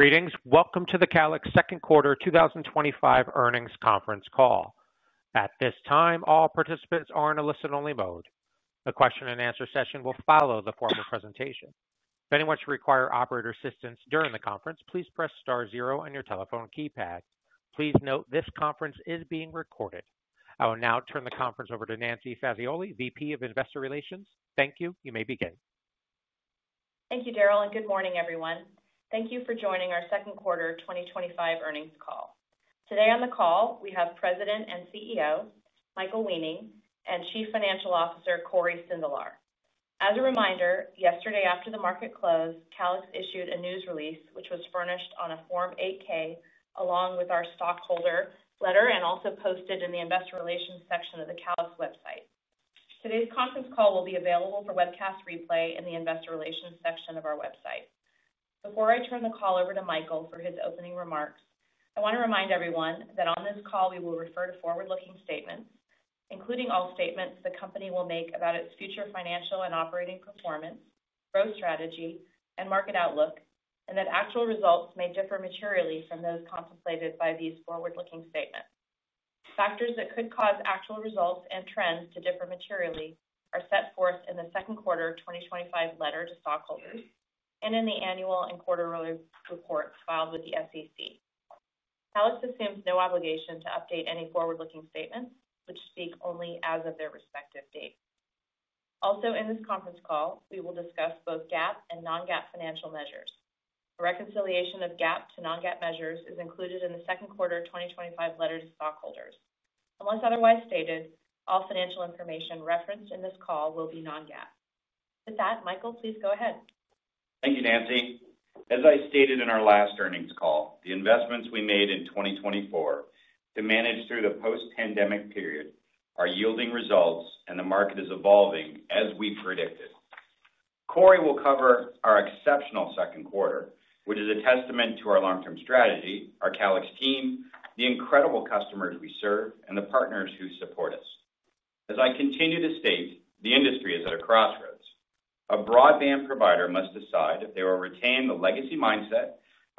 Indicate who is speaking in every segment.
Speaker 1: Greetings. Welcome to the Calyxt Second Quarter twenty twenty five Earnings Conference Call. At this time, all participants are in a listen only mode. A question and answer session will follow the formal presentation. Please note this conference is being recorded. I will now turn the conference over to Nancy Fazioli, VP of Investor Relations. Thank you. You may begin.
Speaker 2: Thank you, Daryl, and good morning, everyone. Thank you for joining our second quarter twenty twenty five earnings call. Today on the call, we have President and CEO, Michael Weining and Chief Financial Officer, Cory Sindelar. As a reminder, yesterday after the market closed, Calix issued a news release, which was furnished on a Form eight ks along with our stockholder letter and also posted in the Investor Relations section of the Calix website. Today's conference call will be available for webcast replay in the Investor Relations section of our website. Before I turn the call over to Michael for his opening remarks, I want to remind everyone that on this call, we will refer to forward looking statements, including all statements the company will make about its future financial and operating performance, growth strategy and market outlook and that actual results may differ materially from those contemplated by these forward looking statements. Factors that could cause actual results and trends to differ materially are set forth in the second quarter twenty twenty five letter to stockholders and in the annual and quarterly reports filed with the SEC. Talix assumes no obligation to update any forward looking statements, which speak only as of their respective dates. Also in this conference call, we will discuss both GAAP and non GAAP financial measures. A reconciliation of GAAP to non GAAP measures is included in the second quarter twenty twenty five letter to stockholders. Unless otherwise stated, all financial information referenced in this call will be non GAAP. With that, Michael, please go ahead.
Speaker 3: Thank you, Nancy. As I stated in our last earnings call, the investments we made in 2024 to manage through the post pandemic period are yielding results and the market is evolving as we predicted. Corey will cover our exceptional second quarter, which is a testament to our long term strategy, our Calix team, the incredible customers we serve and the partners who support us. As I continue to state, the industry is at a crossroads. A broadband provider must decide if they will retain the legacy mindset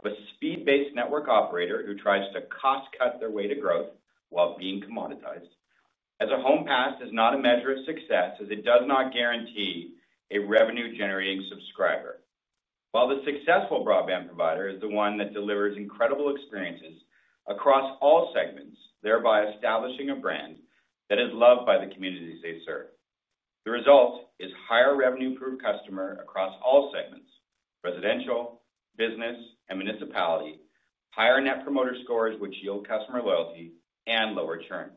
Speaker 3: of a speed based network operator who tries to cost cut their way to growth while being commoditized. As a home pass is not a measure of success as it does not guarantee a revenue generating subscriber. While the successful broadband provider is the one that delivers incredible experiences across all segments, thereby establishing a brand that is loved by the communities they serve. The result is higher revenue per customer across all segments, residential, business and municipality, higher net promoter scores which yield customer loyalty and lower churn.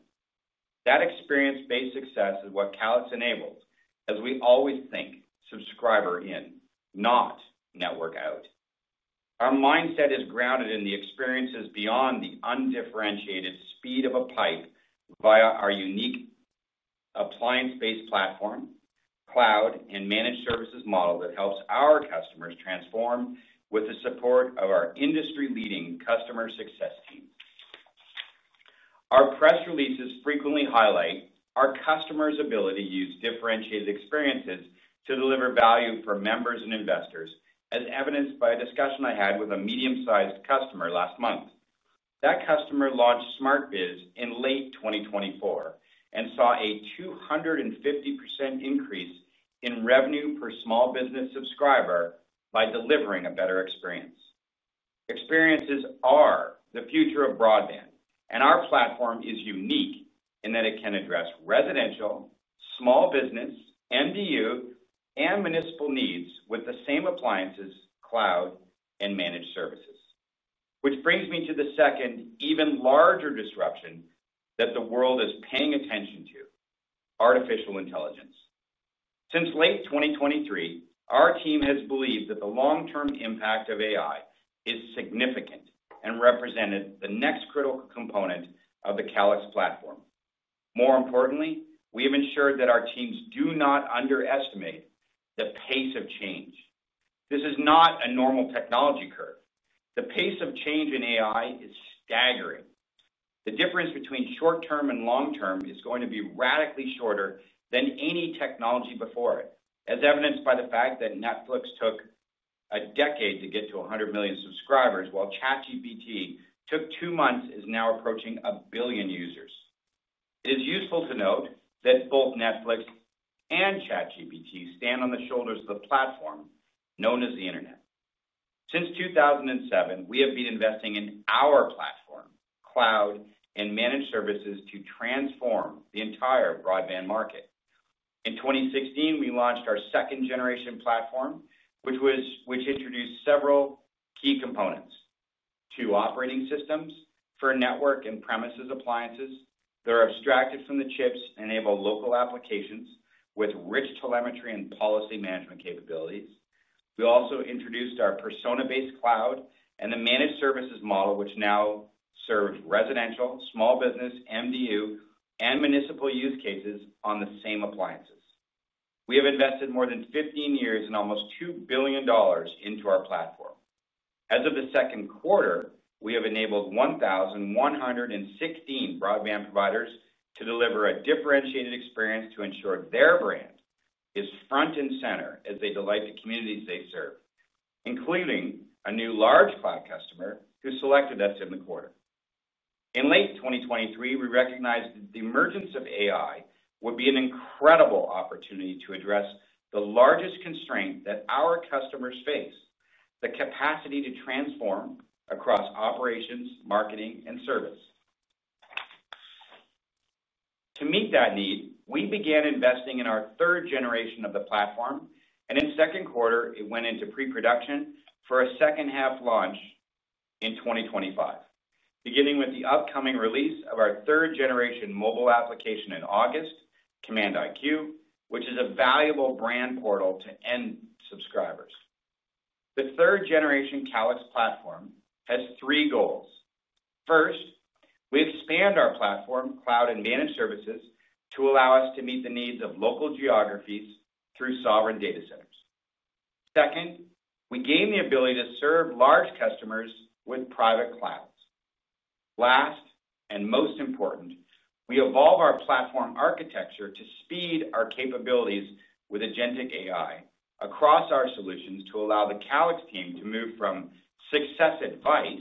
Speaker 3: That experience based success is what Callix enables as we always think subscriber in, not network out. Our mindset is grounded in the experiences beyond the undifferentiated speed of a pipe via our unique appliance based platform, cloud and managed services model that helps our customers transform with the support of our industry leading customer success team. Our press releases frequently highlight our customers' ability to use differentiated experiences to deliver value for members and investors as evidenced by a discussion I had with a medium sized customer last month. That customer launched SmartViz in late twenty twenty four and saw a 250% increase in revenue per small business subscriber by delivering a better experience. Experiences are the future of broadband and our platform is unique and that it can address residential, small business, MDU and municipal needs with the same appliances, cloud and managed services. Which brings me to the second even larger disruption that the world is paying attention to, artificial intelligence. Since late twenty twenty three, our team has believed that the long term impact of AI is significant and represented the next critical component of the Calix platform. More importantly, we have ensured that our teams do not underestimate the pace of change. This is not a normal technology curve. The pace of change in AI is staggering. The difference between short term and long term is going to be radically shorter than any technology before it, as evidenced by the fact that Netflix took a decade to get to a 100,000,000 subscribers, while ChatGPT took two months is now approaching a billion users. It is useful to note that both Netflix and ChatGPT stand on the shoulders of the platform known as the Internet. Since 02/2007, we have been investing in our platform, cloud and managed services to transform the entire broadband market. In 2016, we launched our second generation platform, which introduced several key components to operating systems for network and premises appliances that are extracted from the chips, enable local applications with rich telemetry and policy management capabilities. We also introduced our persona based cloud and the managed services model which now serves residential, small business, MDU and municipal use cases on the same appliances. We have invested more than fifteen years and almost $2,000,000,000 into our platform. As of the second quarter, we have enabled eleven sixteen broadband providers to deliver a differentiated experience to ensure their brand is front and center as they delight the communities they serve, including a new large cloud customer who selected us in the quarter. In late twenty twenty three, we recognized the emergence of AI would be an incredible opportunity to address the largest constraint that our customers face, the capacity to transform across operations, marketing and service. To meet that need, we began investing in our third generation of the platform and in second quarter it went into preproduction for a second half launch in 2025. Beginning with the upcoming release of our third generation mobile application in August, Command IQ, which is a valuable brand portal to end subscribers. The third generation Calix platform has three goals. First, we expand our platform, cloud and managed services to allow us to meet the needs of local geographies through sovereign data centers. Second, we gain the ability to serve large customers with private clouds. Last and most important, we evolve our platform architecture to speed our capabilities with AgenTeq AI across our solutions to allow the Calix team to move from success advice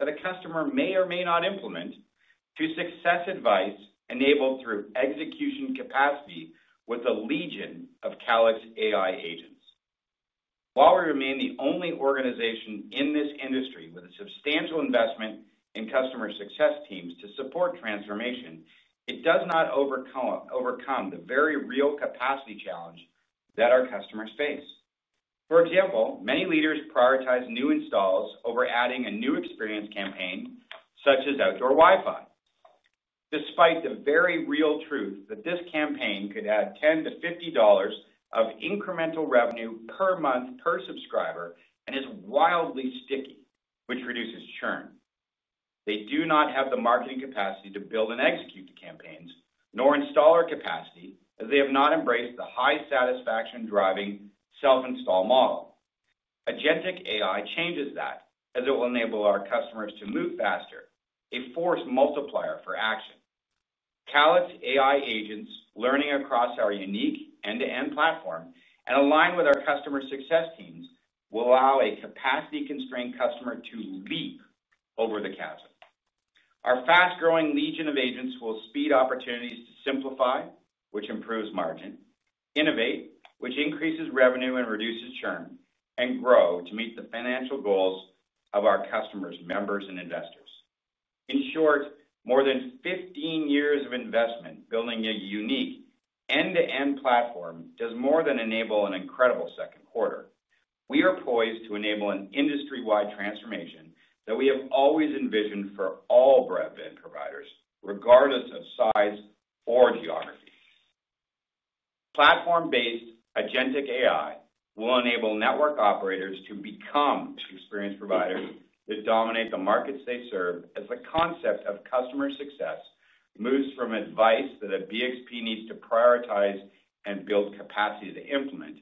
Speaker 3: that a customer may or may not implement to success advice enabled through execution capacity with a legion of Calix AI agents. While we remain the only organization in this industry with a substantial investment in customer success teams to support transformation, it does not overcome the very real capacity challenge that our customers face. For example, many leaders prioritize new installs over adding a new experience campaign such as outdoor WiFi. Despite the very real truth that this campaign could add $10 to $50 of incremental revenue per month per subscriber and is wildly sticky, which reduces churn. They do not have the marketing capacity to build and execute the campaigns nor installer capacity as they have not embraced the high satisfaction driving self install model. AgenTeq AI changes that as it will enable our customers to move faster, a force multiplier for action. Callets AI agents learning across our unique end to end platform and align with our customer success teams will allow a capacity constrained customer to leap over the chasm. Our fast growing legion of agents will speed opportunities to simplify, which improves margin, innovate, which increases revenue and reduces churn and grow to meet the financial goals of our customers, members and investors. In short, more than fifteen years of investment building a unique end to end platform does more than enable an incredible second quarter. We are poised to enable an industry wide transformation that we have always envisioned for all broadband providers regardless of size or geography. Platform based AgenTeq AI will enable network operators to become experienced providers that dominate the markets they serve as the concept of customer success moves from advice that a BXP needs to prioritize and build capacity to implement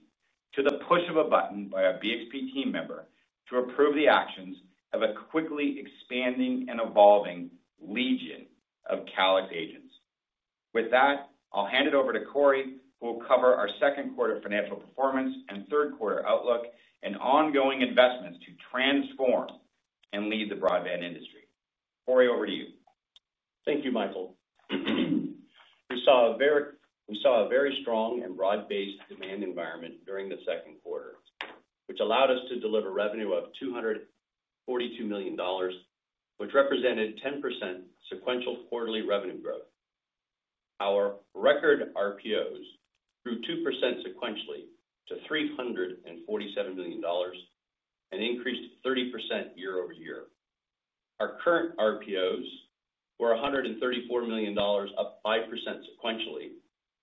Speaker 3: to the push of a button by a BXP team member to approve the actions of a quickly expanding and evolving legion of Calix agents. With that, I'll hand it over to Corey, who will cover our second quarter financial performance and third quarter outlook and ongoing investments to transform and lead the broadband industry. Corey, over to you.
Speaker 4: Thank you, Michael. We saw a very strong and broad based demand environment during the second quarter, which allowed us to deliver revenue of $242,000,000 which represented 10% sequential quarterly revenue growth. Our record RPOs grew 2% sequentially to $347,000,000 and increased 30% year over year. Our current RPOs were a $134,000,000, up 5% sequentially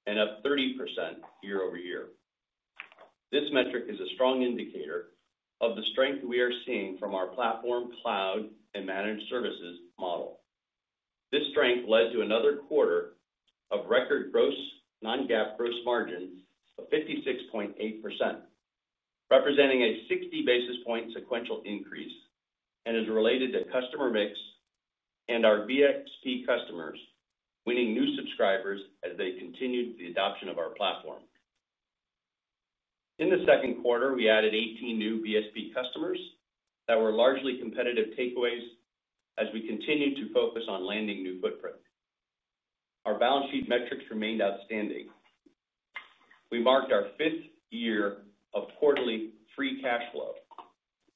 Speaker 4: and up 30% year over year. This metric is a strong indicator of the strength we are seeing from our platform, cloud, and managed services model. This strength led to another quarter of record gross non GAAP gross margin of 56.8%, representing a 60 basis point sequential increase and is related to customer mix and our VSP customers winning new subscribers as they continued the adoption of our platform. In the second quarter, we added 18 new BSP customers that were largely competitive takeaways as we continue to focus on landing new footprint. Our balance sheet metrics remained outstanding. We marked our fifth year of quarterly free cash flow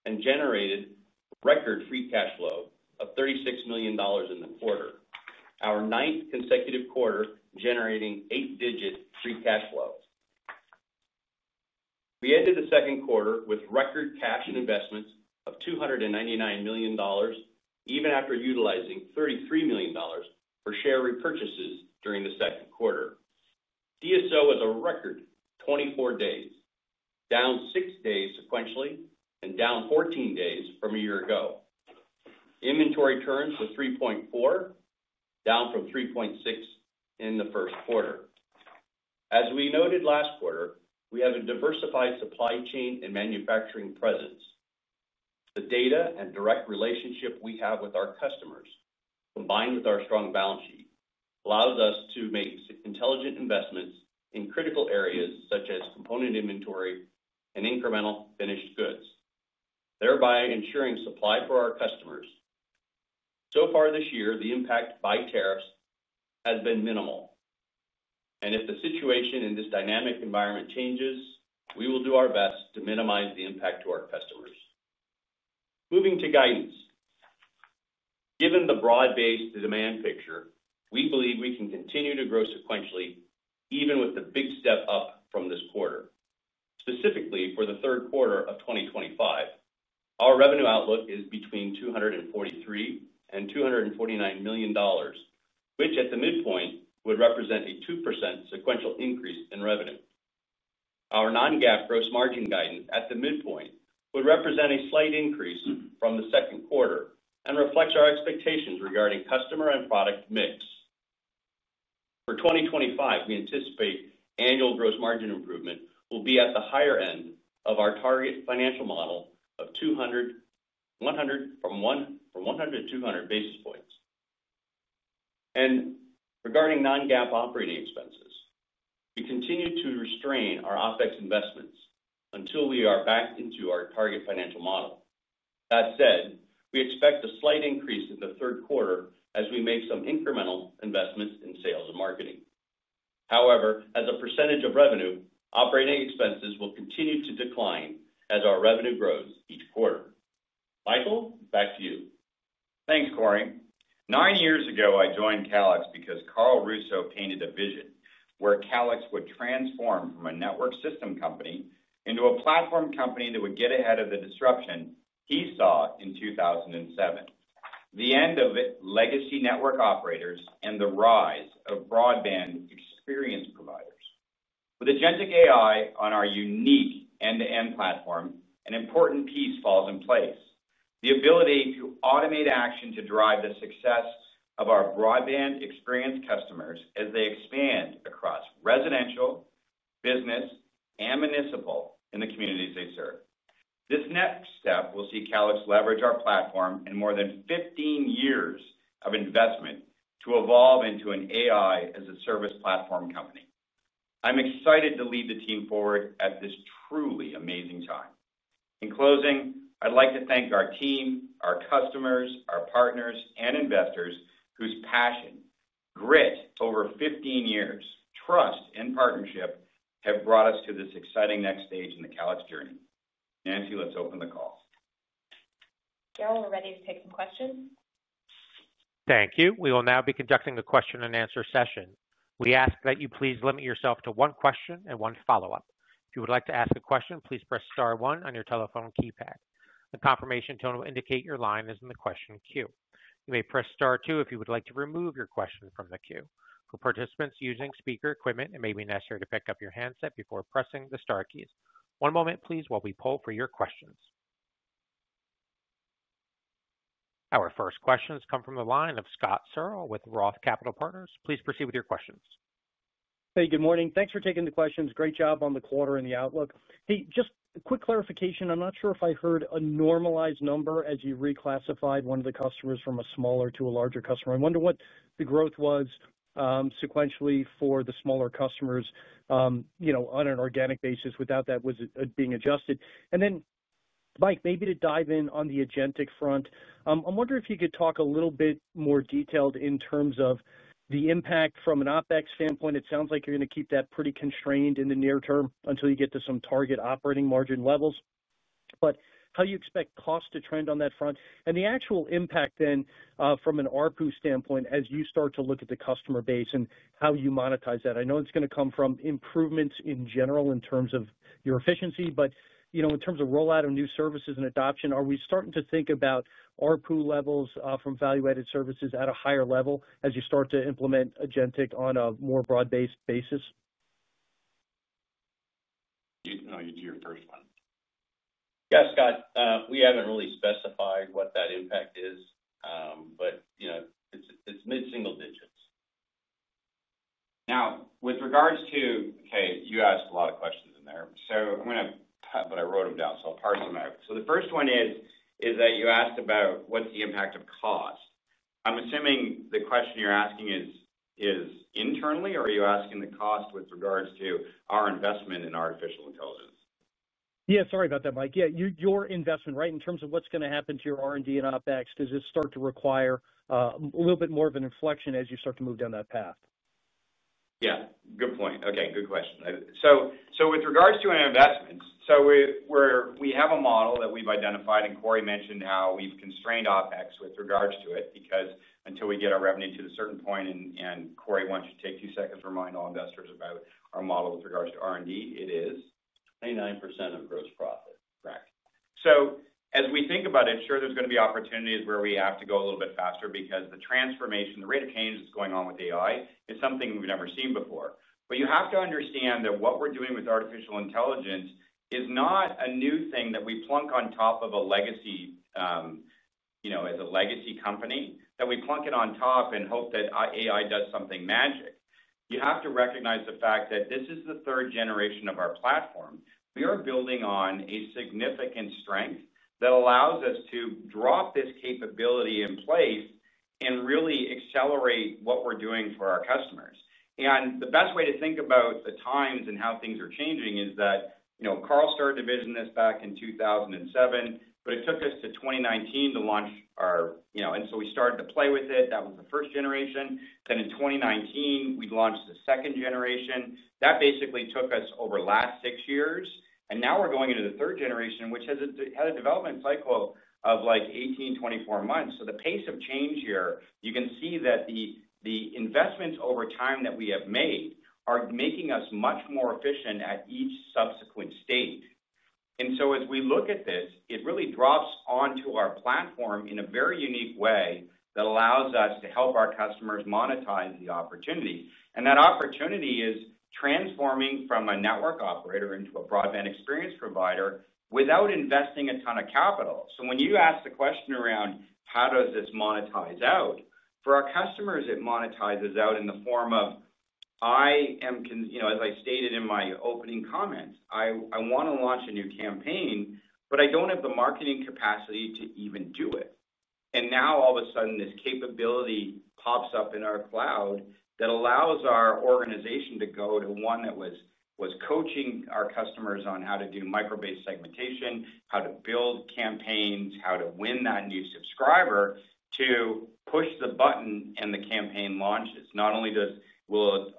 Speaker 4: and generated record free cash flow of $36,000,000 in the quarter, our ninth consecutive quarter generating eight digit free cash flow. We ended the second quarter with record cash and investments of $299,000,000 even after utilizing $33,000,000 for share repurchases during the second quarter. DSO was a record twenty four days, down six days sequentially and down fourteen days from a year ago. Inventory turns were 3.4, down from 3.6 in the first quarter. As we noted last quarter, we have a diversified supply chain and manufacturing presence. The data and direct relationship we have with our customers, combined with our strong balance sheet, allows us to make intelligent investments in critical areas such as component inventory and incremental finished goods, thereby ensuring supply for our customers. So far this year, the impact by tariffs has been minimal. And if the situation in this dynamic environment changes, we will do our best to minimize the impact to our customers. Moving to guidance. Given the broad based demand picture, we believe we can continue to grow sequentially even with the big step up from this quarter. Specifically for the third quarter of twenty twenty five, our revenue outlook is between $243,000,000 and $249,000,000 which at the midpoint would represent a 2% sequential increase in revenue. Our non GAAP gross margin guidance at the midpoint would represent a slight increase from the second quarter and reflects our expectations regarding customer and product mix. For 2025, we anticipate annual gross margin improvement will be at the higher end of our target financial model of 200 from 100 to 200 basis points. And regarding non GAAP operating expenses, we continue to restrain our OpEx investments until we are back into our target financial model. That said, we expect a slight increase in the third quarter as we make some incremental investments in sales and marketing. However, as a percentage of revenue, operating expenses will continue to decline as our revenue grows each quarter. Michael, back to you.
Speaker 3: Thanks, Corey. Nine years ago, I joined Calix because Carl Russo painted a vision where Calix would transform from a network system company into a platform company that would get ahead of the disruption he saw in 02/2007. The end of legacy network operators and the rise of broadband experience providers. With AgenTek AI on our unique end to end platform, an important piece falls in place. The ability to automate action to drive the success of our broadband experience customers as they expand across residential, business and municipal in the communities they serve. This next step will see Calix leverage our platform and more than fifteen years of investment to evolve into an AI as a service platform company. I'm excited to lead the team forward at this truly amazing time. In closing, I'd like to thank our team, our customers, our partners and investors whose passion, grit over fifteen years, trust and partnership have brought us to this exciting next stage in the Calix journey. Nancy, let's open the call.
Speaker 2: Joe, we're ready to take some questions.
Speaker 1: Thank you. We will now be conducting the question and answer session. Our first questions come from the line of Scott Searle with ROTH Capital Partners. Please proceed with your questions.
Speaker 5: Hey, good morning. Thanks for taking the questions. Great job on the quarter and the outlook. Hey, just a quick clarification. I'm not sure if I heard a normalized number as you reclassified one of the customers from a smaller to a larger customer. I wonder what the growth was sequentially for the smaller customers on an organic basis without that was it being adjusted? And then Mike maybe to dive in on the agentic front. I'm wondering if you could talk a little bit more detailed in terms of the impact from an OpEx standpoint. It sounds like you're going to keep that pretty constrained in the near term until you get to some target operating margin levels. But how you expect cost to trend on that front? And the actual impact then from an ARPU standpoint as you start to look at the customer base and how you monetize that? I know it's going to come from improvements in general in terms of your efficiency, but in terms of rollout of new services and adoption, are we starting to think about ARPU levels from value added services at a higher level as you start to implement AgenTic on a more broad based basis?
Speaker 3: You no. You do your first one.
Speaker 4: Yes, Scott. We haven't really specified what that impact is, but, you know, it's it's mid single digits.
Speaker 3: Now with regards to okay. You asked a lot of question in there. So I'm gonna but I wrote them down. So I'll parse them out. So the first one is is that you asked about what's the impact of cost. I'm assuming the question you're asking is is internally or are you asking the cost with regards to our investment in artificial intelligence?
Speaker 5: Yes, sorry about that Mike. Yes, your investment right in terms of what's going to happen to your R and D and OpEx, does it start to require a little bit more of an inflection as you start to move down that path?
Speaker 3: Yes, good point. Okay, good question. So with regards to our investments, so we have a model that we've identified and Corey mentioned how we've constrained OpEx with regards to it because until we get our revenue to a certain point and Corey, don't you take two seconds to remind all investors about our model with regards to R and D, is 29% of gross profit.
Speaker 4: Correct.
Speaker 3: So as we think about it, sure there's going to be opportunities where we have to go a little bit faster because the transformation, the rate of change that's going on with AI is something we've never seen before. But you have to understand that what we're doing with artificial intelligence is not a new thing that we plunk on top of a legacy, you know, as a legacy company that we plunk it on top and hope that AI does something magic. You have to recognize the fact that this is the third generation of our platform. We are building on a significant strength that allows us to drop this capability in place and really accelerate what we're doing for our customers. And the best way to think about the times and how things are changing is that Carl started to business back in 02/2007, but it took us to 2019 to launch our and so we started to play with it. That was the first generation. Then in 2019, we launched the second generation. That basically took us over last six years. Now And we're going into the third generation, which has a had a development cycle of like eighteen, twenty four months. So the pace of change here, you can see that the the investments over time that we have made are making us much more efficient at each subsequent state. And so as we look at this, it really drops onto our platform in a very unique way that allows us to help our customers monetize the opportunity. And that opportunity is transforming from a network operator into a broadband experience provider without investing a ton of capital. So when you ask the question around how does this monetize out, for our customers it monetizes out in the form of I am you know, as I stated in my opening comments, I I wanna launch a new campaign, but I don't have the marketing capacity to even do it. And now all of a sudden, this capability pops up in our cloud that allows our organization to go to one that was was coaching our customers on how to do micro based segmentation, how to build campaigns, how to win that new subscriber to push the button and the campaign launches. Not only does will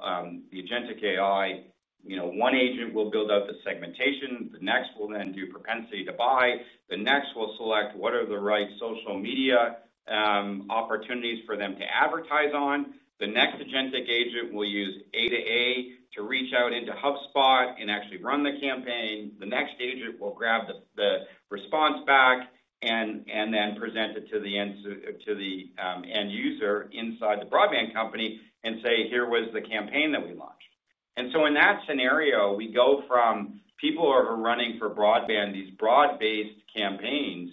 Speaker 3: the Ujentic AI, you know, one agent will build out the segmentation, the next will then do propensity to buy, The next will select what are the right social media opportunities for them to advertise on. The next agent will use A to A to reach out into HubSpot and actually run the campaign. The next agent will grab the response back and then present it to the end user inside the broadband company and say here was the campaign that we launched. And so in that scenario, we go from people who are running for broadband, these broad based campaigns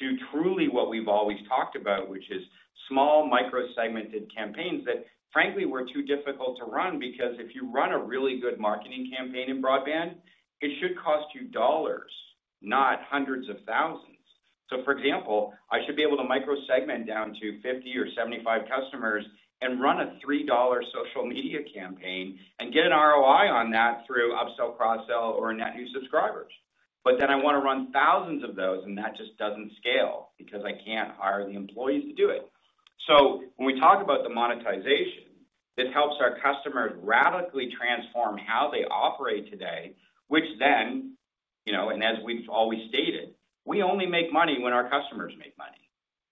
Speaker 3: to truly what we've always talked about, which is small micro segmented campaigns that frankly were too difficult to run because if you run a really good marketing campaign in broadband, it should cost you dollars, not hundreds of thousands. So for example, I should be able to micro segment down to 50 or 75 customers and run a $3 social media campaign and get an ROI on that through upsell cross sell or net new subscribers. But then I want to run thousands of those and that just doesn't scale because I can't hire the employees to do it. So when we talk about the monetization, it helps our customers radically transform how they operate today, which then and as we've always stated, we only make money when our customers make money.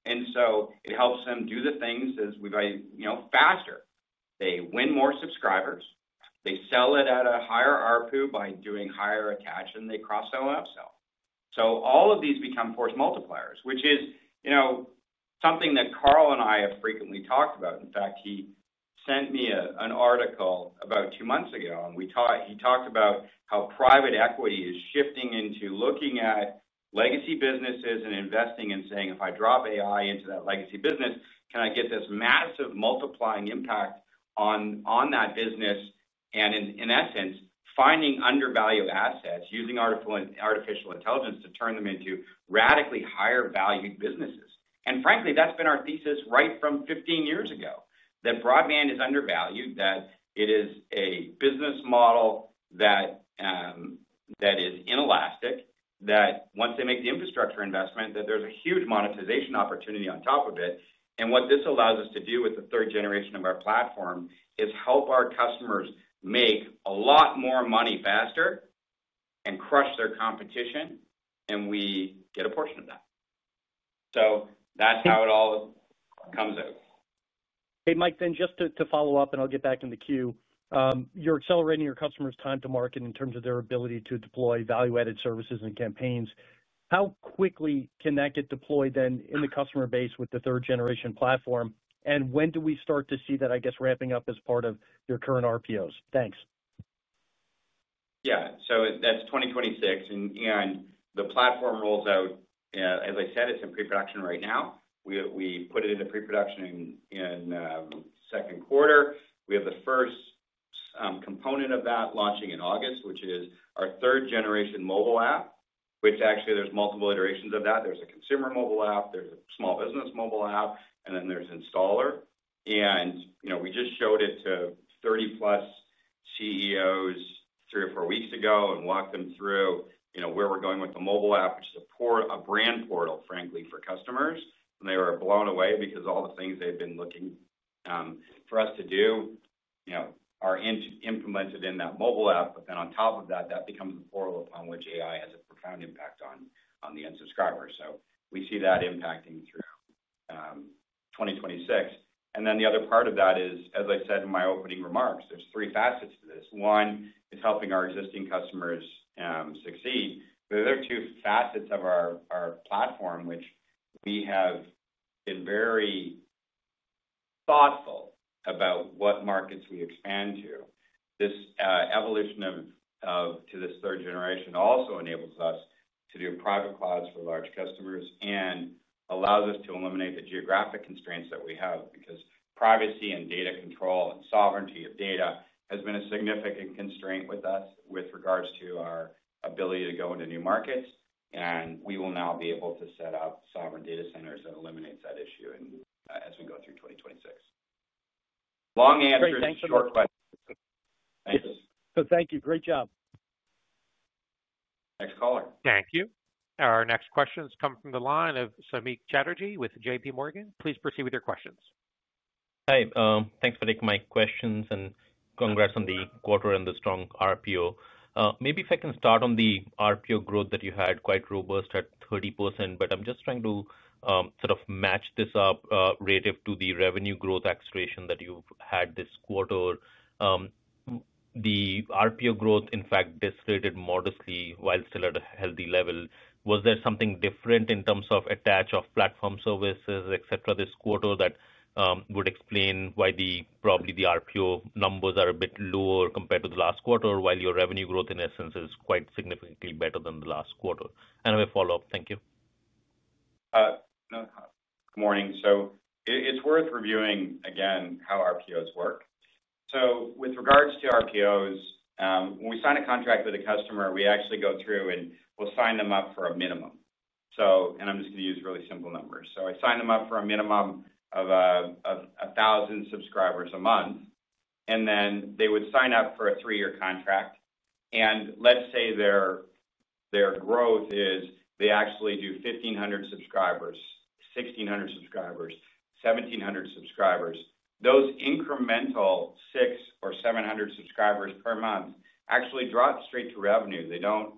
Speaker 3: And so it helps them do the things as we buy faster. They win more subscribers. They sell it at a higher ARPU by doing higher attach and they cross sell and upsell. So all of these become force multipliers, which is something that Carl and I have frequently talked about. In fact, he sent me an article about two months ago and we talked he talked about how private equity is shifting into looking at legacy businesses and investing and saying if I drop AI into that legacy business, can I get this massive multiplying impact on that business and in essence finding undervalued assets using artificial intelligence to turn them into radically higher valued businesses? And frankly that's been our thesis right from fifteen years ago. That broadband is undervalued, that it is a business model that is inelastic that once they make the infrastructure investment that there's a huge monetization opportunity on top of it. And what this allows us to do with the third generation of our platform is help our customers make a lot more money faster and crush their competition and we get a portion of that. That's how it all comes out.
Speaker 5: Hey, Mike. Then just to follow-up and I'll get back in the queue. You're accelerating your customers' time to market in terms of their ability to deploy value added services and campaigns. How quickly can that get deployed then in the customer base with the third generation platform? And when do we start to see that I guess ramping up as part of your current RPOs? Thanks.
Speaker 3: Yes. So that's 2026 and the platform rolls out as I said it's in preproduction right now. We put it into preproduction in second quarter. We have the first component of that launching in August, which is our third generation mobile app, which actually there's multiple iterations of that. There's a consumer mobile app, there's a small business mobile app, and then there's installer. And, you know, we just showed it to 30 plus CEOs three or four weeks ago and walked them through, you know, where we're going with the mobile app to support a brand portal, frankly, for customers. And they were blown away because all the things they've been looking for us to do, you know, are inch implemented in that mobile app. But then on top of that, that becomes a portal upon which AI has a profound impact on on the end subscribers. So we see that impacting through 2026. And then the other part of that is, as I said in my opening remarks, there's three facets to this. One is helping our existing customers succeed. There are two facets of our our platform, which we have been very thoughtful about what markets we expand to. This evolution of of to this third generation also enables us to do private clouds for large customers and allows us to eliminate the geographic constraints that we have because privacy and data control and sovereignty of data has been a significant constraint with us with regards to our ability to go into new markets. And we will now be able to set up sovereign data centers that eliminates that issue and as we go through 2026. Long answer to short questions.
Speaker 5: Thank you. Thank you. Great job.
Speaker 3: Next caller.
Speaker 1: Thank you. Our next questions come from the line of Samik Chatterjee with JPMorgan. Please proceed with your questions.
Speaker 6: Hi. Thanks for taking my questions and congrats on the quarter and the strong RPO. Maybe if I can start on the RPO growth that you had quite robust at 30%, but I'm just trying to sort of match this up relative to the revenue growth acceleration that you had this quarter. The RPO growth, in fact, decelerated modestly while still at a healthy level. Was there something different in terms of attach of platform services, etcetera, this quarter that would explain why the probably the RPO numbers are a bit lower compared to the last quarter, while your revenue growth in essence is quite significantly better than the last quarter? And I have a follow-up. Thank you.
Speaker 3: Good morning. So it's worth reviewing again how RPOs work. So with regards to RPOs, when we sign a contract with a customer, we actually go through and we'll sign them up for a minimum. So and I'm just gonna use really simple numbers. So I sign them up for a minimum of a of a thousand subscribers a month, and then they would sign up for a three year contract. And let's say their their growth is they actually do 1,500 subscribers, 1,600 subscribers, 1,700 subscribers. Those incremental six or 700 subscribers per month actually drop straight to revenue. They don't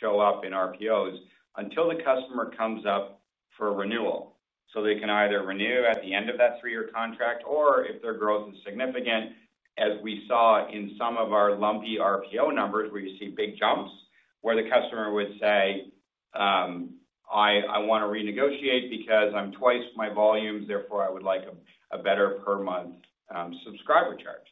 Speaker 3: show up in RPOs until the customer comes up for renewal. So they can either renew at the end of that three year contract or if their growth is significant as we saw in some of our lumpy RPO numbers where you see big jumps where the customer would say, I I wanna renegotiate because I'm twice my volumes, therefore, would like a better per month subscriber charge.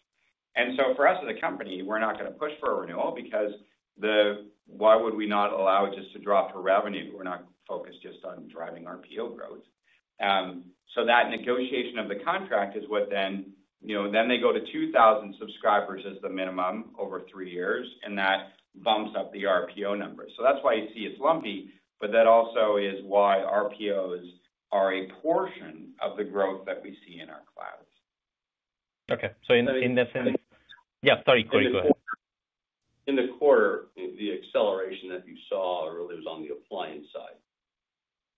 Speaker 3: And so for us as a company, we're not gonna push for a renewal because the why would we not allow just to drop for revenue? We're not focused just on driving our PO growth. So that negotiation of the contract is what then, you know, then they go to 2,000 subscribers as the minimum over three years and that bumps up the RPO number. So that's why you see it's lumpy, but that also is why RPOs are a portion of the growth that we see in our clouds.
Speaker 6: Okay. So in the in the same yeah. Sorry.
Speaker 4: In the quarter, the acceleration that you saw or it was on the appliance side.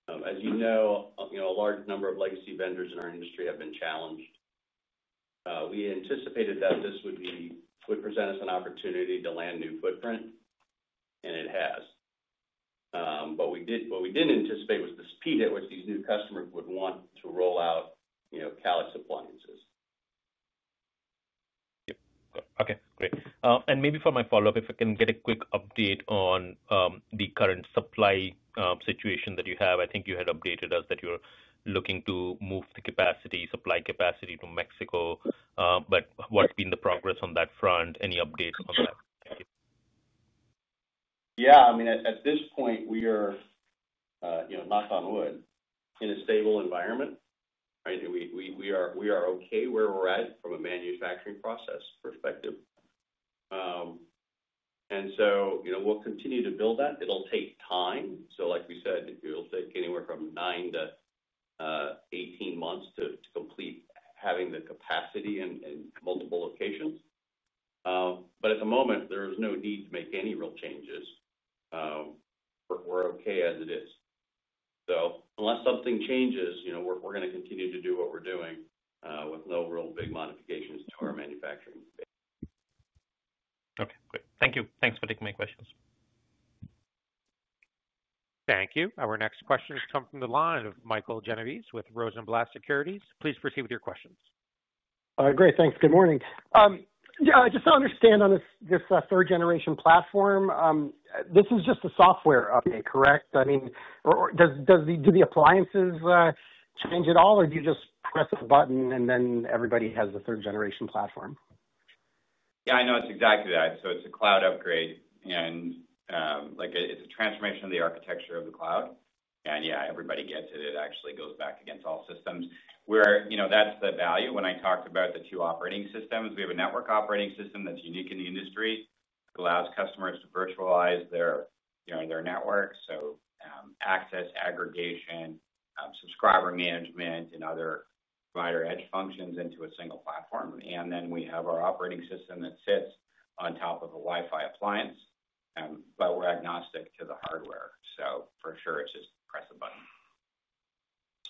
Speaker 4: As you know, you know, a large number of legacy vendors in our industry have been challenged. We anticipated that this would be would present us an opportunity to land new footprint, and it has. But we did what we didn't anticipate was the speed at which these new customers would want to roll out, you know, Calix appliances.
Speaker 6: Okay. Great. And maybe for my follow-up, if I can get a quick update on the current supply situation that you have. I think you had updated us that you're looking to move the capacity, supply capacity to Mexico. But what's been the progress on that front? Any update on that? Thank you.
Speaker 4: Yeah. I mean, at at this point, we are, know, knock on wood, in a stable environment. Right? And we we we are we are okay where we're at from a manufacturing process perspective. And so, you know, we'll continue to build that. It'll take time. So like we said, it will take anywhere from nine to eighteen months to to complete having the capacity in in multiple locations. But at the moment, there is no need to make any real changes. We're we're okay as it is. So unless something changes, you know, we're we're gonna continue to do what we're doing with no real big modifications to our manufacturing space.
Speaker 6: Okay. Great. Thank you. Thanks for taking my questions.
Speaker 1: Thank you. Our next questions come from the line of Michael Genovese with Rosenblatt Securities. Please proceed with your questions.
Speaker 7: Great. Thanks. Good morning. Yes, just to understand on this third generation platform, this is just a software update, correct? I mean or or does does the do the appliances change at all or do you just press the button and then everybody has the third generation platform?
Speaker 3: Yeah. I know it's exactly that. So it's a cloud upgrade and like a it's a transformation of the architecture of the cloud. And, yeah, everybody gets it. It actually goes back against all systems. We're you know, that's the value. When I talked about the two operating systems, we have a network operating system that's unique in the industry. It allows customers to virtualize their, know, their network. So access aggregation, subscriber management, and other provider edge functions into a single platform. And then we have our operating system that sits on top of a WiFi appliance, but we're agnostic to the hardware. So for sure, it's just press a button.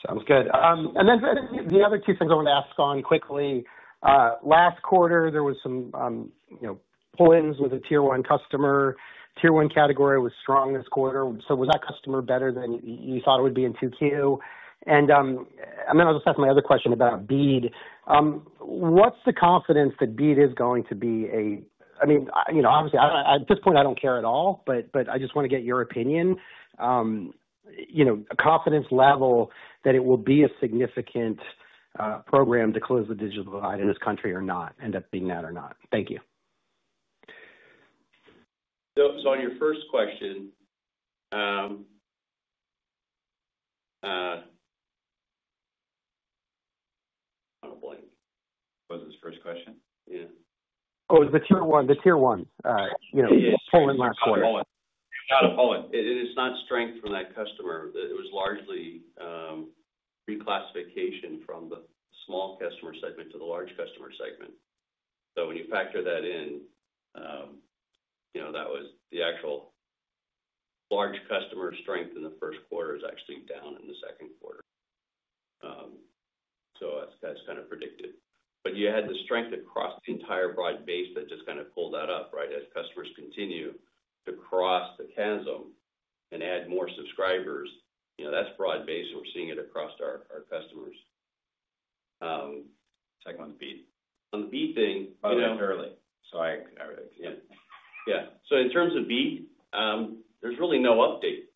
Speaker 7: Sounds good. And then the other two things I want to ask on quickly. Last quarter, there was some, you know, pull ins with a Tier one customer. Tier one category was strong this quarter. So was that customer better than you thought it would be in 2Q? And then I'll just ask my other question about Bead. What's the confidence that Bead is going to be a I mean, obviously, at this point, don't care at all, but I just want to get your opinion, confidence level that it will be a significant program to close the digital divide in this country or not end up being that or not? Thank you.
Speaker 4: So so on your first question I'm a blank.
Speaker 3: Was this the first question?
Speaker 4: Yeah.
Speaker 7: Oh, the tier one the tier one. You know, last quarter.
Speaker 3: Poland. It's not a Poland.
Speaker 4: It is not strength from that customer. It was largely reclassification from the small customer segment to the large customer segment. So when you factor that in, you know, that was the actual large customer strength in the first quarter is actually down in the second quarter. So that's that's kind of predicted. But you had the strength across the entire broad base that just kind of pulled that up, right, as customers continue to cross the chasm and add more subscribers, you know, that's broad based. We're seeing it across our our customers.
Speaker 3: Second one, the beat.
Speaker 4: On the beat thing By the way, early.
Speaker 3: So I I really Yeah.
Speaker 4: Yeah. So in terms of beat, there's really no update.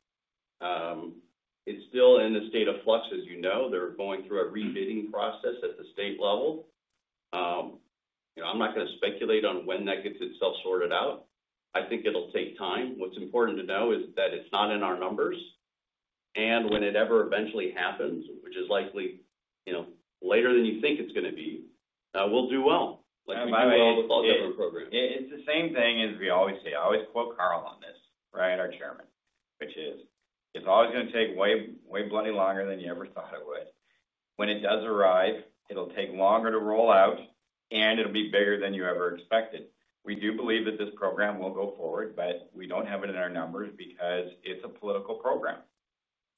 Speaker 4: It's still in the state of flux as you know. They're going through a rebidding process at the state level. You know, I'm not gonna speculate on when that gets itself sorted out. I think it'll take time. What's important to know is that it's not in our numbers. And when it ever eventually happens, which is likely, you know, later than you think it's gonna be, we'll do well. Like, we do well with all the other programs.
Speaker 3: It's the same thing as we always say. I always quote Carl on this, right, our chairman, which is it's always gonna take way way bloody longer than you ever thought it would. When it does arrive, it'll take longer to roll out and it'll be bigger than you ever expected. We do believe that this program will go forward, but we don't have it in our numbers because it's a political program.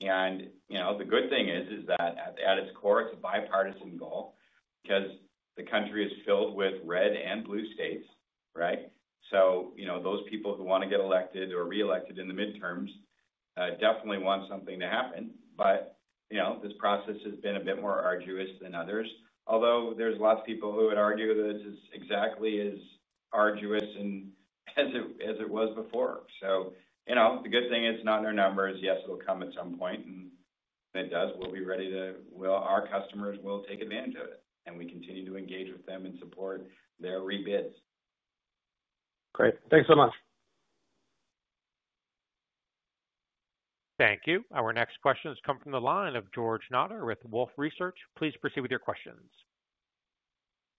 Speaker 3: And, you know, the good thing is is that at at its core, it's a bipartisan goal because the country is filled with red and blue states. Right? So, you know, those people who wanna get elected or reelected in the midterms definitely want something to happen. But, you know, this process has been a bit more arduous than others. Although, there's lots of people who would argue this is exactly as arduous and as it as it was before. So, you the good thing is it's not in our numbers. Yes, it will come at some point. And if it does, we'll be ready to our customers will take advantage of it. And we continue to engage with them and support their rebids.
Speaker 7: Great. Thanks so much.
Speaker 1: Thank you. Our next questions come from the line of George Notter with Wolfe Research. Please proceed with your questions.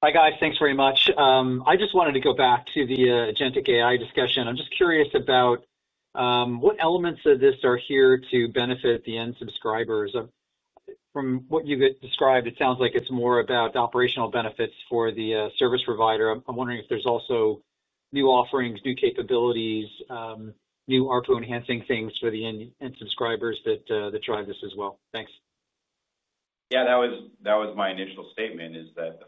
Speaker 8: Hi, guys. Thanks very much. I just wanted to go back to the Genetic AI discussion. I'm just curious about what elements of this are here to benefit the end subscribers? From what you've described, it sounds like it's more about operational benefits for the service provider. I'm wondering if there's also new offerings, new capabilities, new ARPU enhancing things for the end end subscribers that that drive this as well. Thanks.
Speaker 3: Yeah. That was that was my initial statement is that the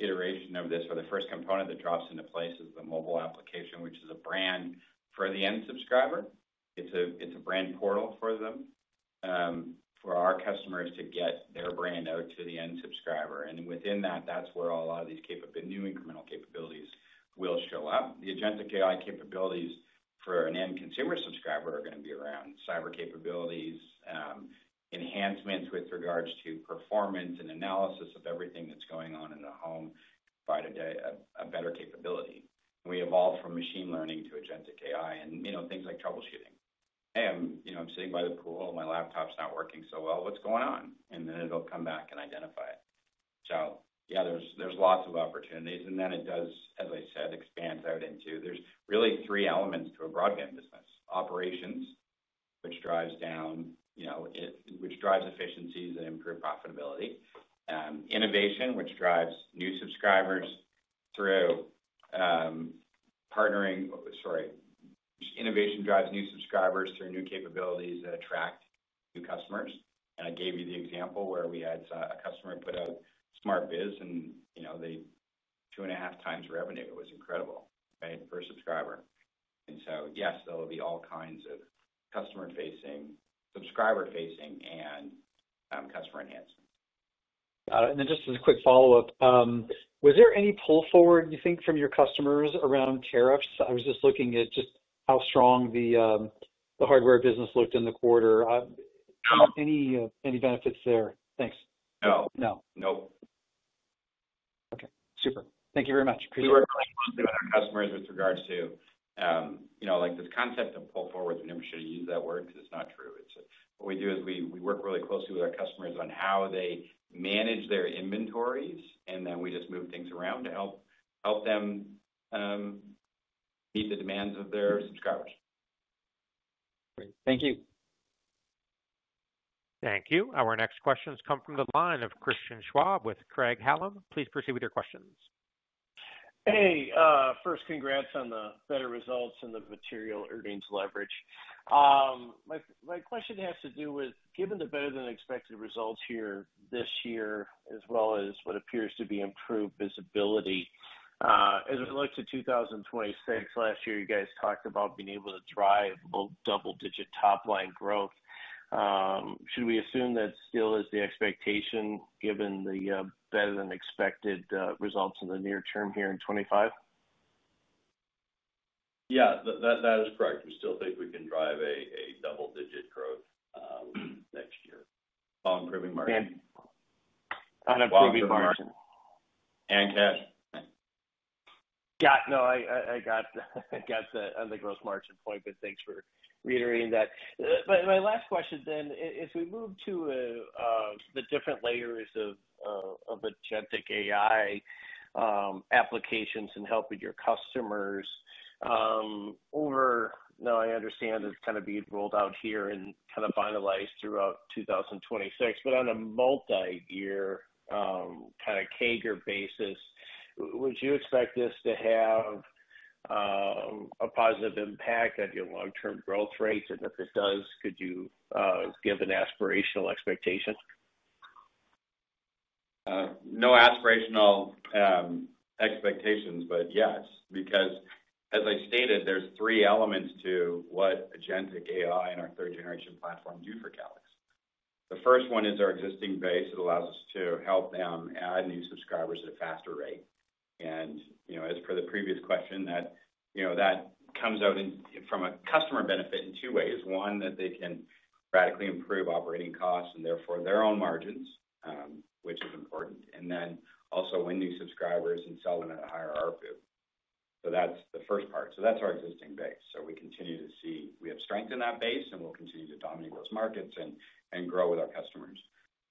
Speaker 3: first iteration of this or the first component that drops into place is the mobile application, which is a brand for the end subscriber. It's a it's a brand portal for them, for our customers to get their brand out to the end subscriber. And within that, that's where all of these capable new incremental capabilities will show up. The agenda AI capabilities for an end consumer subscriber are gonna be around cyber capabilities, enhancements with regards to performance and analysis of everything that's going on in the home by the day, a better capability. We evolved from machine learning to agenda k I and, you know, things like troubleshooting. And, you know, I'm sitting by the pool. My laptop's not working so well. What's going on? And then it'll come back and identify it. So, yeah, there's there's lots of opportunities. And then it does, as I said, expands expands out into there's really three elements to a broadband business. Operations, which drives down, which drives efficiencies and improved profitability. Innovation, which drives new subscribers through partnering sorry. Innovation drives new subscribers through new capabilities that attract new customers. And I gave you the example where we had a customer put out SmartViz and, you know, the two and a half times revenue was incredible, right, per subscriber. And so, yes, there will be all kinds of customer facing subscriber facing and customer enhancement.
Speaker 8: Got it. And then just as a quick follow-up. Was there any pull forward you think from your customers around tariffs? I was just looking at just how strong the hardware business looked in the quarter. Any benefits there? Thanks.
Speaker 3: No.
Speaker 8: No.
Speaker 3: Nope.
Speaker 8: Okay. Super. Thank you very much. Appreciate it.
Speaker 3: Customers with regards to, you know, like this concept of pull forward, we never should use that word because it's not true. It's what we do is we we work really closely with our customers on how they manage their inventories and then we just move things around to help them meet the demands of their subscribers.
Speaker 8: Great. Thank you.
Speaker 1: Thank you. Our next questions come from the line of Christian Schwab with Craig Hallum. Please proceed with your questions.
Speaker 9: Hey. First, congrats on the better results and the material earnings leverage. My question has to do with given the better than expected results here this year as well as what appears to be improved visibility. As it looks to 2026, last year, you guys talked about being able to drive both double digit top line growth. Should we assume that still is the expectation given the better than expected results in the near term here in 2025?
Speaker 4: Yeah. That that that is correct. We still think we can drive a a double digit growth next year on improving margin.
Speaker 9: On improving margin.
Speaker 4: Cash.
Speaker 9: Got it. No. I I I got I got the on the gross margin point, but thanks for reiterating that. My my last question then, if we move to the different layers of of the GenTick AI applications and helping your customers over now I understand it's kind of being rolled out here and kind of finalized throughout 2026. But on a multiyear kind of CAGR basis, would you expect this to have a positive impact at your long term growth rates? And if it does, could you give an aspirational expectation?
Speaker 3: No aspirational expectations, but yes. Because as I stated, there's three elements to what AgenTiC AI and our third generation platform do for Calix. The first one is our existing base. It allows us to help them add new subscribers at a faster rate. And, you know, as per the previous question that, you know, that comes out in from a customer benefit in two ways. One, that they can radically improve operating costs and therefore their own margins, which is important. And then also win new subscribers and sell them at a higher ARPU. So that's the first part. So that's our existing base. So we continue to see we have strengthened that base and we'll continue to dominate those markets and and grow with our customers.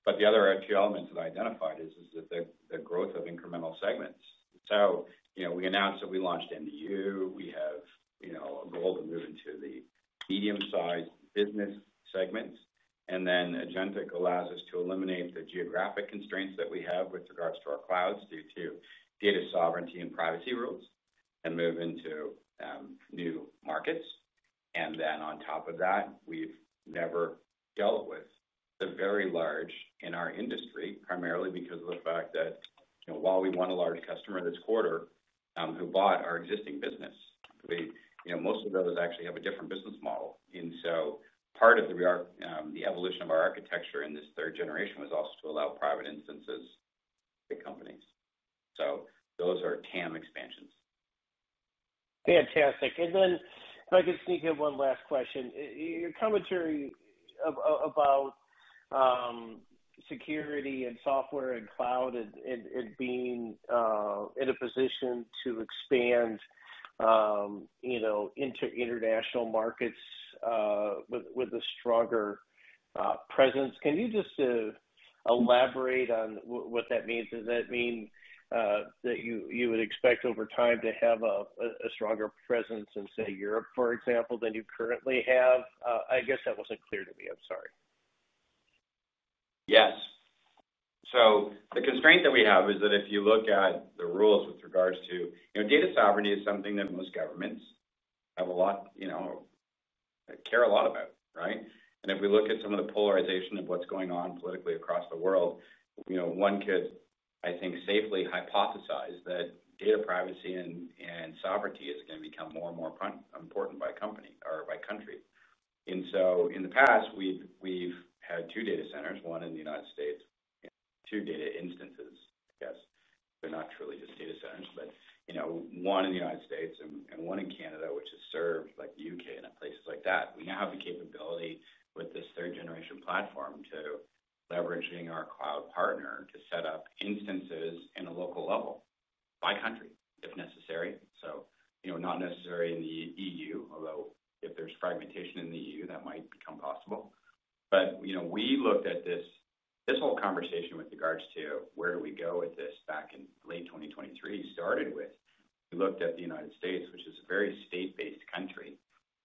Speaker 3: But the other key elements that I identified is that the growth of incremental segments. So we announced that we launched in The EU. We have a goal to move into the medium sized business segments. And then AgenTek allows us to eliminate the geographic constraints that we have with regards to our clouds due to data sovereignty and privacy rules and move into new markets. And then on top of that, we've never dealt with the very large in our industry, primarily because of the fact that, you know, while we won a large customer this quarter, who bought our existing business, we you know, most of those actually have a different business model. And so part of the re the evolution of our architecture in this third generation was also to allow private instances to companies. So those are TAM expansions.
Speaker 9: Fantastic. And then if I could sneak in one last question. Your commentary about security and software and cloud and being in a position to expand into international markets with a stronger presence. Can you just elaborate on what that means? Does that mean that you would expect over time to have a stronger presence in say Europe, for example, than you currently have? I guess that wasn't clear to me. I'm sorry.
Speaker 3: Yes. So the constraint that we have is that if you look at the rules with regards to you know, data sovereignty is something that most governments have a lot, you know, care a lot about. Right? And if we look at some of the polarization of what's going on politically across the world, you know, one could, I think, safely hypothesize that data privacy and and sovereignty is gonna become more and more important by company or by country. And so in the past, we've we've had two data centers, one in The United States, two data instances, I guess. They're not truly just data centers, but, you know, one in The United States and and one in Canada, which is served like The UK and places like that. We have the capability with this third generation platform to leveraging our cloud partner to set up instances in a local level by country if necessary. So, you know, not necessary in the EU, although if there's fragmentation in the EU, that might become possible. But, you know, we looked at this this whole conversation with regards to where we go with this back in late twenty twenty three started with we looked at The United States, which is a very state based country,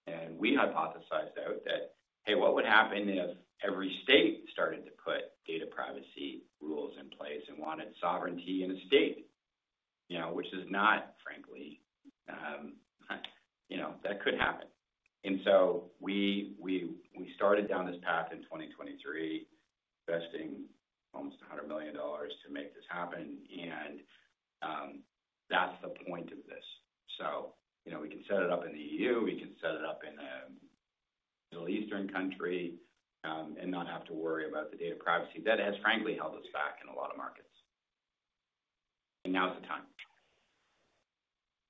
Speaker 3: And we hypothesized out that, hey, what would happen if every state started to put data privacy rules in place and wanted sovereignty in a state, you know, which is not frankly, you know, that could happen. And so we we we started down this path in 2023, investing almost a $100,000,000 to make this happen, and that's the point of this. So, you know, we can set it up in the EU. We can set it up in the Middle Eastern country and not have to worry about the data privacy. That has frankly held us back in a lot of markets. And now is the time.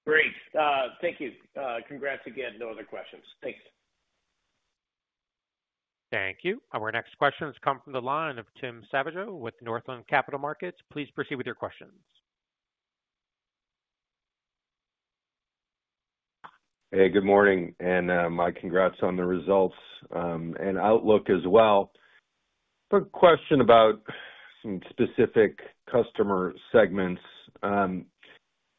Speaker 9: Great. Thank you. Congrats again to other questions. Thanks.
Speaker 1: Thank you. Our next questions come from the line of Tim Savageaux with Northland Capital Markets. Please proceed with your questions.
Speaker 10: Hey, good morning and my congrats on the results and outlook as well. Quick question about some specific customer segments.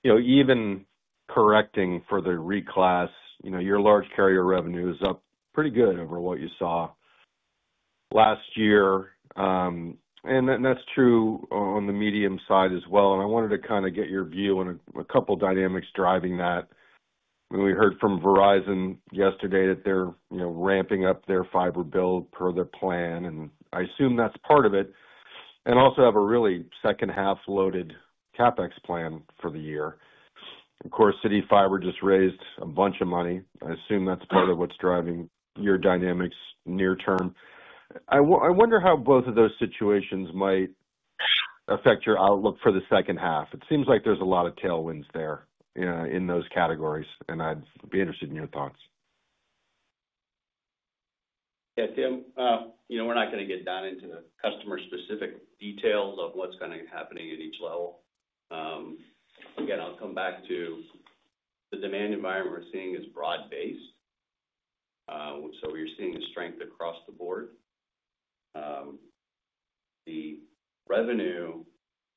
Speaker 10: Even correcting for the reclass, your large carrier revenue is up pretty good over what you saw last year. And that's true on the medium side as well. And I wanted to kind of get your view on a couple of dynamics driving that. We heard from Verizon yesterday that they're ramping up their fiber build per their plan and I assume that's part of it and also have a really second half loaded CapEx plan for the year. Of course, City Fiber just raised a bunch of money. I assume that's part of what's driving your dynamics near term. I wonder how both of those situations might affect your outlook for the second half. It seems like there's a lot of tailwinds there in those categories and I'd be interested in your thoughts.
Speaker 4: Yes, Tim. We're not going to get down into the customer specific details of what's going to be happening at each level. Again, I'll come back to the demand environment we're seeing is broad based. So we're seeing a strength across the board. The revenue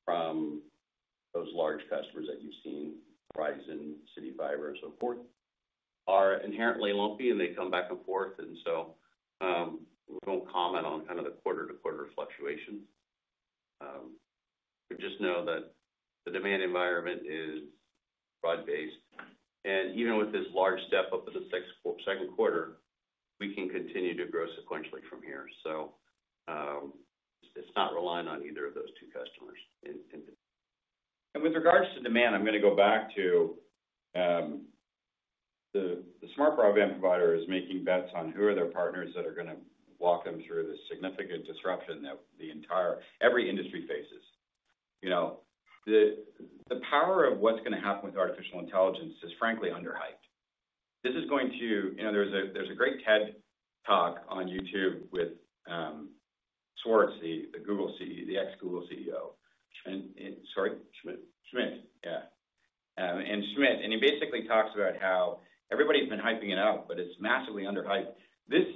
Speaker 4: from those large customers that you've seen, Verizon, Citi, Virus, and forth, are inherently lumpy and they come back and forth. And so we don't comment on kind of the quarter to quarter fluctuations. But just know that the demand environment is broad based. And even with this large step up in the six second quarter, we can continue to grow sequentially from here. So it's not relying on either of those two customers in in the
Speaker 3: And with regards to demand, I'm gonna go back to the the smart broadband provider is making bets on who are their partners that are gonna walk them through the significant disruption that the entire industry faces. You know? The the power of what's gonna happen with artificial intelligence is frankly under hyped. This is going to you know, there's a there's a great Ted talk on YouTube with Swartz, the the Google c the ex Google CEO. And and sorry.
Speaker 4: Schmidt Schmidt.
Speaker 3: Yeah. And Schmidt. And he basically talks about how everybody's been hyping it up, but it's massively under hyped. This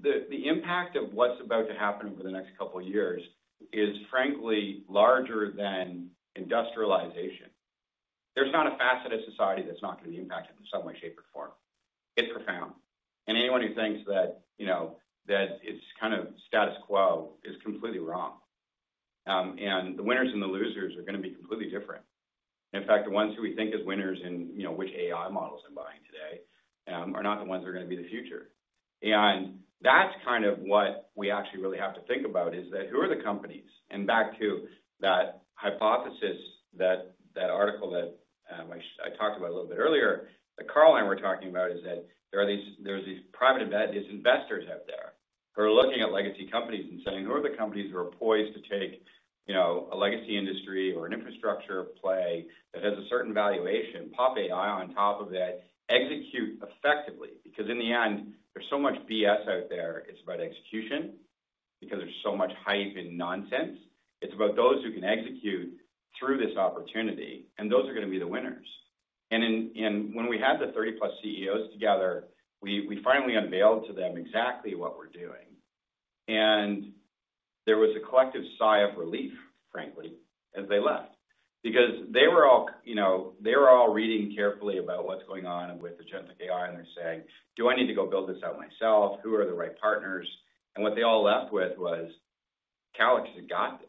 Speaker 3: the the impact of what's about to happen over the next couple years is frankly larger than industrialization. There's not a facet of society that's not gonna be impacted in some way, shape, or form. It's profound. And anyone who thinks that, you know, that it's kind of status quo is completely wrong. And the winners and the losers are gonna be completely different. In fact, the ones who we think is winners and, you know, which AI models I'm buying today are not the ones that are gonna be the future. And that's kind of what we actually really have to think about is that who are the companies? And back to that hypothesis that that article that I talked about a little bit earlier, that Carl and I were talking about is that there are these there's these private investors out there who are looking at legacy companies and saying, who are the companies who are poised to take, a legacy industry or an infrastructure play that has a certain valuation, pop AI on top of that, execute effectively. Because in the end, there's so much BS out there. It's about execution because there's so much hype and nonsense. It's about those who can execute through this opportunity, and those are gonna be the winners. And in in when we had the 30 plus CEOs together, we we finally unveiled to them exactly what we're doing. And there was a collective sigh of relief, frankly, as they left. Because they were all, you know, they were all reading carefully about what's going on with the Genetic AI and they're saying, do I need to go build this out myself? Who are the right partners? And what they all left with was Calix had got this.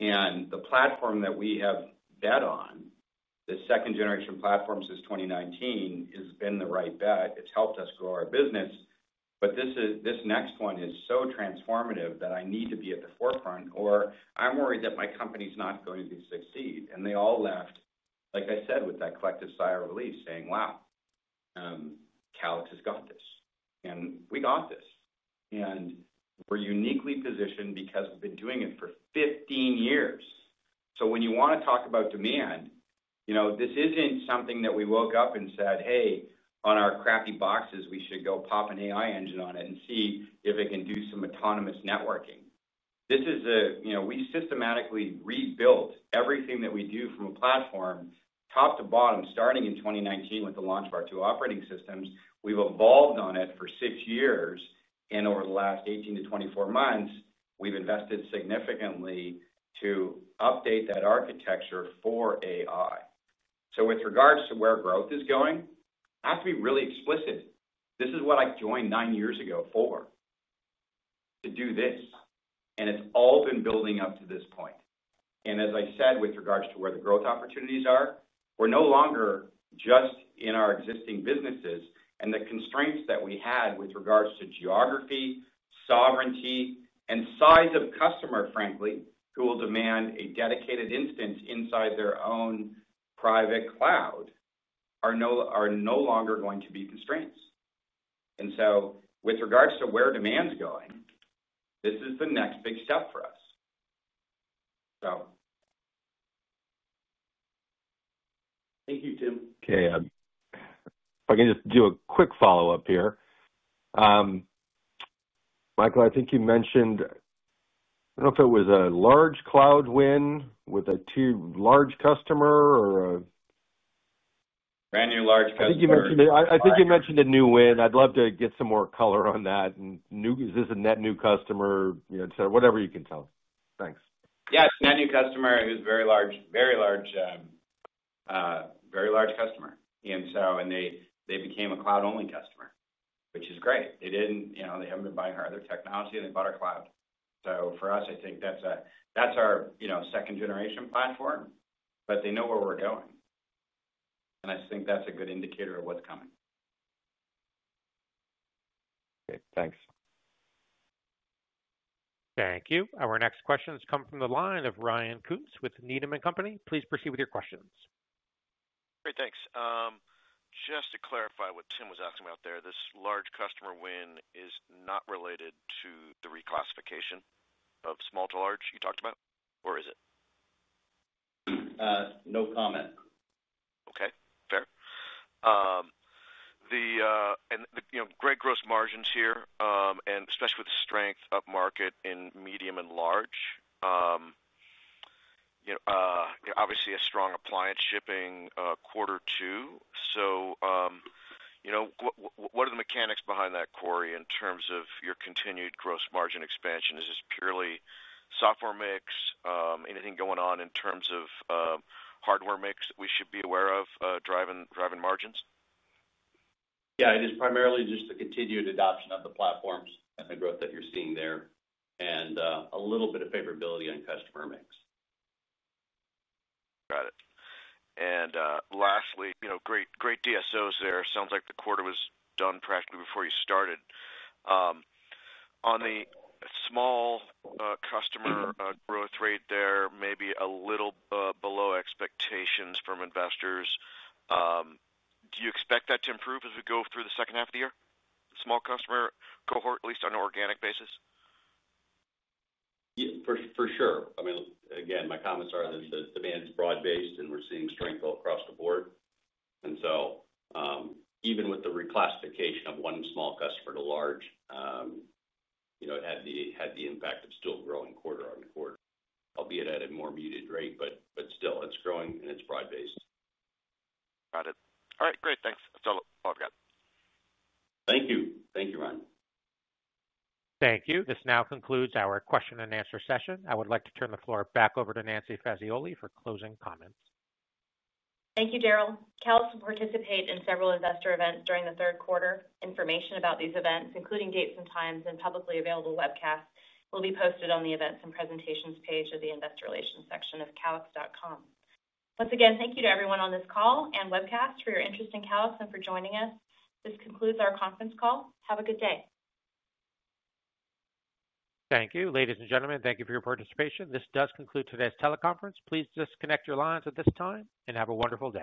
Speaker 3: And the platform that we have bet on, the second generation platforms since 2019 has been the right bet. It's helped us grow our business, but this is this next one is so transformative that I need to be the forefront or I'm worried that my company is not going to succeed. And they all left, like I said, with that collective sigh of relief saying, wow. Calix has got this, and we got this. And we're uniquely positioned because we've been doing it for fifteen years. So when you wanna talk about demand, you know, isn't something that we woke up and said, hey, on our crappy boxes, we should go pop an AI engine on it and see if it can do some autonomous networking. This is a you know, we systematically rebuilt everything that we do from a platform top to bottom starting in 2019 with the launch of our two operating systems. We've evolved on it for six years And over the last eighteen to twenty four months, we've invested significantly to update that architecture for AI. So with regards to where growth is going, I have to be really explicit. This is what I joined nine years ago for, to do this. And it's all been building up to this point. And as I said with regards to where the growth opportunities are, we're no longer just in our existing businesses and the constraints that we had with regards to geography, sovereignty, and size of customer frankly, who will demand a dedicated instance inside their own private cloud are no are no longer going to be constraints. And so with regards to where demand is going, this is the next big step for us.
Speaker 4: Thank you, Tim.
Speaker 10: Okay. If I can just do a quick follow-up here. Michael, I think you mentioned I don't if it was a large cloud win with a large customer or a
Speaker 3: Brand new large customer.
Speaker 10: Think you mentioned a new win. I'd love to get some more color on that. And new is this a net new customer, you know, so whatever you can tell. Thanks.
Speaker 3: Yeah. It's a net new customer. It was very large very large very large customer. And so and they they became a cloud only customer, which is great. They didn't you know, they haven't been buying other technology and they bought our cloud. So for us, I think that's a that's our, you know, second generation platform, but they know where we're going. And I think that's a good indicator of what's coming.
Speaker 10: Okay. Thanks.
Speaker 1: Thank you. Our next questions come from the line of Ryan Koontz with Needham and Company. Please proceed with your questions.
Speaker 11: Great. Thanks. Just to clarify what Tim was asking about there, this large customer win is not related to the reclassification of small to large you talked about? Or is it?
Speaker 4: No comment.
Speaker 11: Okay. Fair. Great gross margins here, and especially with the strength upmarket in medium and large. Obviously, a strong appliance shipping quarter two. So, what are the mechanics behind that, Corey, in terms of your continued gross margin expansion? Is this purely software mix? Anything going on in terms of hardware mix we should be aware of driving margins?
Speaker 4: Yes. It is primarily just the continued adoption of the platforms and the growth that you're seeing there and a little bit of favorability on customer mix.
Speaker 11: Got it. And lastly, great DSOs there. It sounds like the quarter was done practically before you started. On the small customer growth rate there, maybe a little below expectations from investors. Do you expect that to improve as we go through the second half of the year, small customer cohort, at least on an organic basis?
Speaker 4: For sure. I mean, again, my comments are that the demand is broad based and we're seeing strength across the board. And so even with the reclassification of one small customer to large, you know, it had the impact of still growing quarter on quarter, albeit at a more muted rate, but still it's growing and it's broad based.
Speaker 11: Got it. All right. Great. Thanks. That's all I've got.
Speaker 4: Thank you. Thank you, Ryan.
Speaker 1: Thank you. This now concludes our question and answer session. I would like to turn the floor back over to Nancy Fazioli for closing comments.
Speaker 2: Thank you, Daryl. Callouts will participate in several investor events during the third quarter. Information about these events, including dates and times and publicly available webcast will be posted on the Events and Presentations page of the Investor Relations section of callus.com. Once again, thank you to everyone on this call and webcast for your interest in Callus and for joining us. This concludes our conference call. Have a good day.
Speaker 1: Thank you. Ladies and gentlemen, thank you for your participation. This does conclude today's teleconference. Please disconnect your lines at this time, and have a wonderful day.